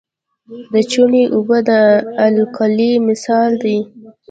د چونې اوبه د القلي مثال دی.